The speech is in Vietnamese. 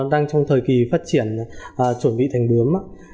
đang trong thời kỳ phát triển chuẩn bị thành bướm